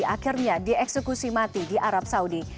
akhirnya dieksekusi mati di arab saudi